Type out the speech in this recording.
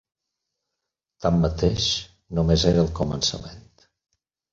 Tanmateix, només era el començament.